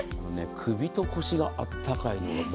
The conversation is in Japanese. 首と腰があったかいま